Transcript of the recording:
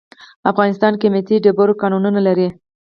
افغانستان قیمتي ډبرو کانونه لري.